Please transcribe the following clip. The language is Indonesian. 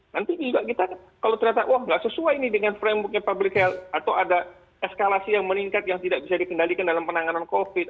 nanti juga kita kalau ternyata wah nggak sesuai nih dengan frameworknya public health atau ada eskalasi yang meningkat yang tidak bisa dikendalikan dalam penanganan covid